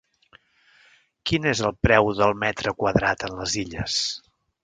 Quin és el preu del metre quadrat en les Illes?